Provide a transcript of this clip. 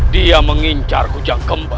dia mengincar kujang kembar